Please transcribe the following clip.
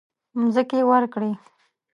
مځکې ورکړې.